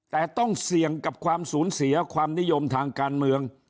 แต่ต้องเสี่ยงกับความสูญเสียความนิยมทางการเมือง